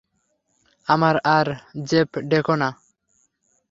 আমায় আর জেফ ডেকো না।